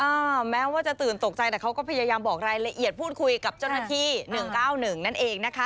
แม้ว่าจะตื่นตกใจแต่เขาก็พยายามบอกรายละเอียดพูดคุยกับเจ้าหน้าที่๑๙๑นั่นเองนะคะ